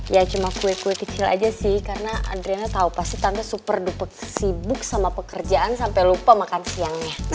ya cuma kue kue kecil aja sih karena adriana tahu pasti tante super dapat sibuk sibuk sama pekerjaan sampai lupa makan siangnya